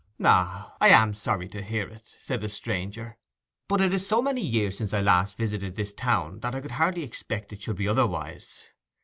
'Ah, I am sorry to hear it,' said the stranger. 'But it is so many years since I last visited this town that I could hardly expect it should be otherwise.